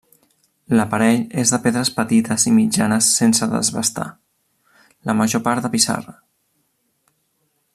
L'aparell és de pedres petites i mitjanes sense desbastar, la major part de pissarra.